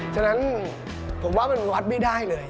ฉะนั้นผมว่ามันวัดไม่ได้เลย